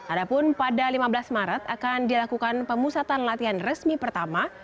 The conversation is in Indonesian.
adapun pada lima belas maret akan dilakukan pemusatan latihan resmi pertama